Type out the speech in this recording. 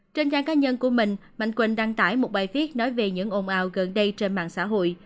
trên trang cá nhân của mình mạnh quỳnh đăng tải một bài viết nói về những ồn ào gần đây trên mạng xã hội